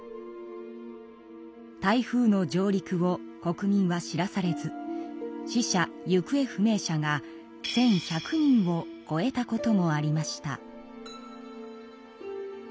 台風の上陸を国民は知らされず死者・行方不明者が１，１００人をこえたこともありました。